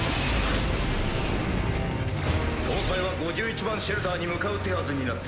総裁は５１番シェルターに向かう手筈になっている。